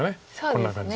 こんな感じ。